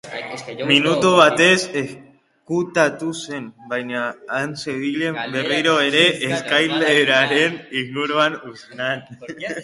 Minutu batez ezkutatu zen, baina han zebilen berriro ere eskaileraren inguruan usnan.